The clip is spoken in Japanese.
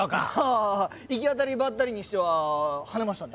あ行き当たりばったりにしてははねましたね。